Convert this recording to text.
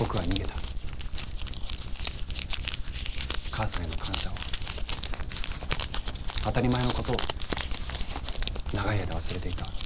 母さんへの感謝を当たり前のことを長い間忘れていた。